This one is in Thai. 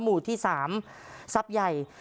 หมู่ที่สามซับใหญ่